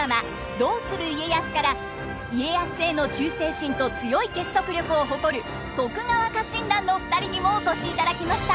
「どうする家康」から家康への忠誠心と強い結束力を誇る徳川家臣団の２人にもお越しいただきました。